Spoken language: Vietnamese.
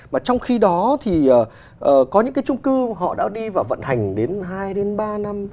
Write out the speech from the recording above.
mà trong khi đó thì có những cái trung cư họ đã đi và vận hành đến hai đến ba năm